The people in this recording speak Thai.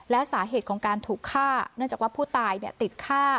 และสาเหตุของการถูกฆ่าเนื่องจากว่าผู้ตายติดฆ่า